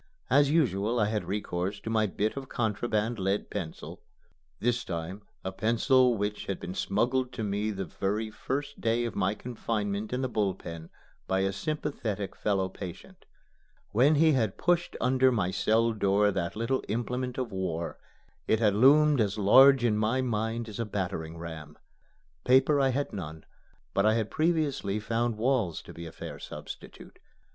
As usual I had recourse to my bit of contraband lead pencil, this time a pencil which had been smuggled to me the very first day of my confinement in the Bull Pen by a sympathetic fellow patient. When he had pushed under my cell door that little implement of war, it had loomed as large in my mind as a battering ram. Paper I had none; but I had previously found walls to be a fair substitute.